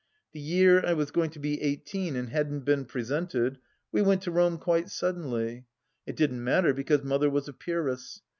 The year I was going to be eighteen, and hadn't been presented, we went to Rome quite suddenly. It didn't matter, because Mother was a peeress.